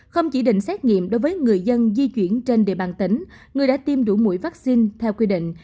không chỉ định xét nghiệm đối với người dân di chuyển trên địa bàn tỉnh người đã tiêm đủ mũi vaccine theo quy định